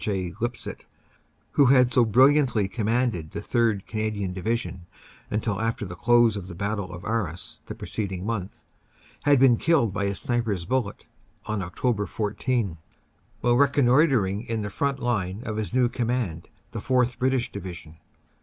J. Lipsett, who had so brilliantly com manded the 3rd. Canadian Division until after the close of the battle of Arras the preceding month, had been killed by a sniper s bullet on Oct. 14, while reconnoitering in the front line of his new command, the 4th British Division.